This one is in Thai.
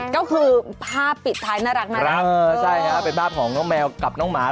ก็คือภาพปิดท้ายน่ารักเออใช่ครับเป็นภาพของน้องแมวกับน้องหมา